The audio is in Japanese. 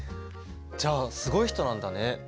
じゃあすごい人なんだね。